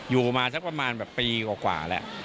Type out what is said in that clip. อยู่มาสักประมาณแบบปีกว่าแล้ว